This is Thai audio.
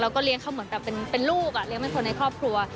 แล้วก็เลี้ยงเขาเหมือนแบบเป็นลูกเลี้ยงเป็นคนในครอบครัว